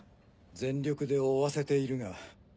全力で追わせているが。